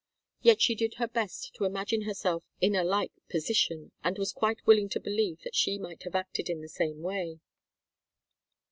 Yet she did her best to imagine herself in a like position, and was quite willing to believe that she might have acted in the same way.